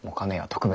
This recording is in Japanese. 特別？